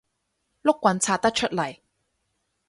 碌棍拆得出嚟